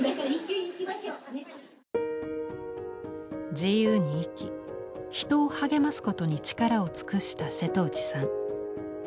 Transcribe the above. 自由に生き人を励ますことに力を尽くした瀬戸内さん。